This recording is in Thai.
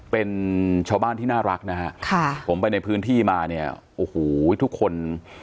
เป็นชาวบ้านที่น่ารักนะฮะค่ะผมไปในพื้นที่มาเนี่ยโอ้โหทุกคน